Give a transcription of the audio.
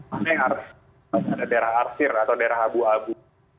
mana yang harus ada daerah arsir atau daerah abu abu